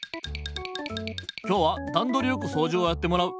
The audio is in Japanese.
今日はダンドリよくそうじをやってもらう。